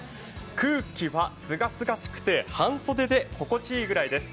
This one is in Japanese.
空気は、すがすがしくて半袖で心地いいくらいです。